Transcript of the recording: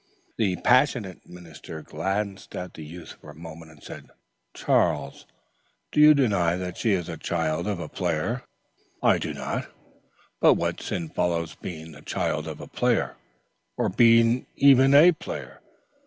The passionate minister glared at the youth for a moment and said: "Charles, do you deny that she is the child of a player?" "I do not; but what sin follows being the child of a player, or being even a player?